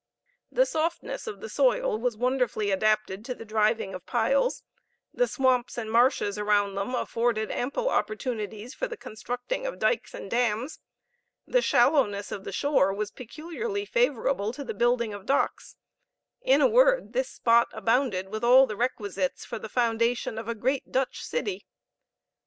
The softness of the soil was wonderfully adapted to the driving of piles; the swamps and marshes around them afforded ample opportunities for the constructing of dykes and dams; the shallowness of the shore was peculiarly favorable to the building of docks; in a word, this spot abounded with all the requisites for the foundation of a great Dutch City.